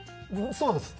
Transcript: そうですね。